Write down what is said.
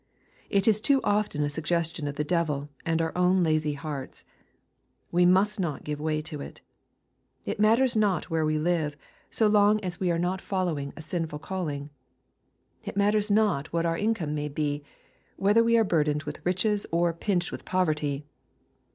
It is too often a suggestion of the devij and our own lazy hearts. We must not give way to it. It matters n.t where we live, so long as we are not i LUKE, CHAP. XVIII. 275 following a sitiful calling. It matters not what our in come may be, whether we are burdened with riches or pinched with poverty.